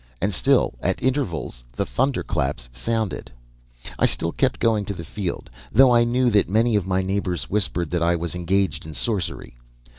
And still, at intervals, the thunderclaps sounded. "I still kept going to the field, though I knew that many of my neighbors whispered that I was engaged in sorcery.